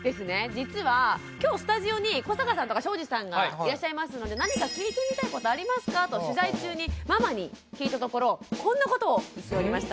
実は今日スタジオに古坂さんとか庄司さんがいらっしゃいますので「何か聞いてみたいことありますか？」と取材中にママに聞いたところこんなことを言っておりました。